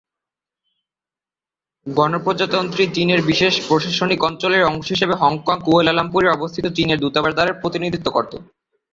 গণপ্রজাতন্ত্রী চীনের বিশেষ প্রশাসনিক অঞ্চলের অংশ হিসেবে হংকং কুয়ালালামপুরে অবস্থিত চীনের দূতাবাস দ্বারাই প্রতিনিধিত্ব করত।